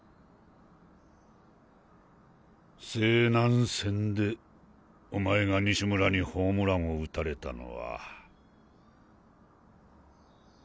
勢南戦でお前が西村にホームランを打たれたのは。